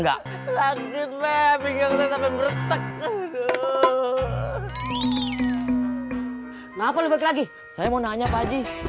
hai rakyatnya pinggang sampai bertek aduh ngapain lagi saya mau nanya pak aji